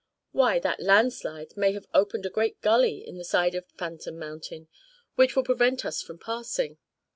"Why, that landslide may have opened a great gully in the side of Phantom Mountain, which will prevent us from passing.